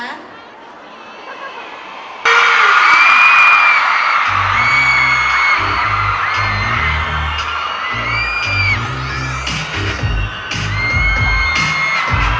สวัสดีครับสวัสดีครับ